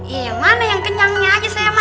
ya mana yang kenyangnya aja sayang mah